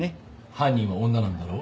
犯人は女なんだろ？